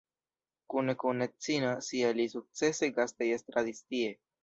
Kune kun edzino sia li sukcese gastej-estradis tie.